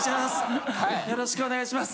よろしくお願いします！